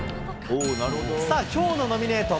さあ、きょうのノミネート。